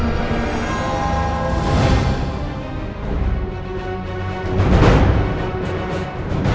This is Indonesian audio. makasih bu bati